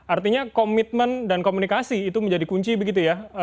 artinya komitmen dan komunikasi itu menjadi kunci begitu ya